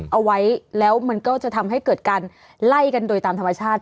เอาไว้แล้วมันก็จะทำให้เกิดการไล่กันโดยตามธรรมชาติ